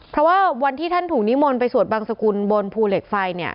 เพราะว่าวันที่ท่านถูกนิมนต์ไปสวดบังสกุลบนภูเหล็กไฟเนี่ย